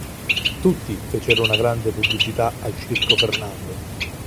Tutti fecero una grande pubblicità al Circo Fernando.